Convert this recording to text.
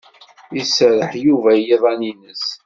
Iserreḥ Yuba i yiḍan-ines.